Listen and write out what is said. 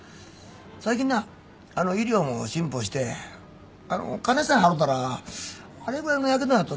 最近な医療も進歩して金さえ払うたらあれぐらいのヤケドの跡